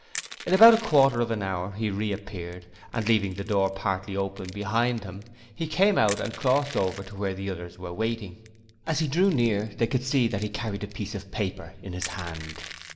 In about a quarter of an hour he reappeared and, leaving the door partly open behind him, he came out and crossed over to where the others were waiting. As he drew near they could see that he carried a piece of paper in his hand.